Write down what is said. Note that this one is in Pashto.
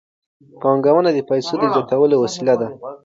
پانګونه د پیسو د زیاتولو وسیله ده.